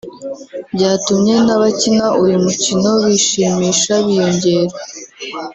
Byatumye n’abakina uyu mukino bishimisha biyongera